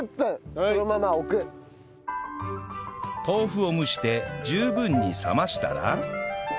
豆腐を蒸して十分に冷ましたら